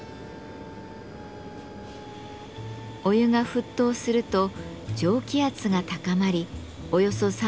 お湯が沸騰すると蒸気圧が高まりおよそ３０秒で抽出されます。